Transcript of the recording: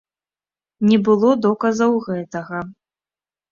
Не было доказаў гэтага.